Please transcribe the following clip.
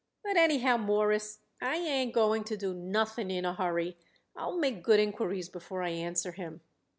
But, anyhow, Mawruss, I ain't going to do nothing in a hurry. I'll make good inquiries before I answer him."